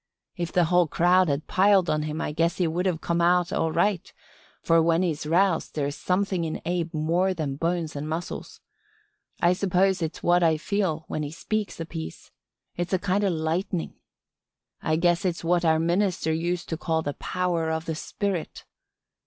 If the whole crowd had piled on him I guess he would have come out all right, for when he's roused there's something in Abe more than bones and muscles. I suppose it's what I feel when he speaks a piece. It's a kind of lightning. I guess it's what our minister used to call the power of the spirit.